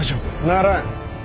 ならん！